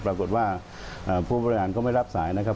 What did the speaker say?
ปรากฏว่าผู้บริหารก็ไม่รับสายนะครับ